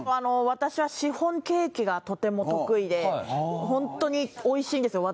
私はシフォンケーキがとても得意でホントにおいしいんですよ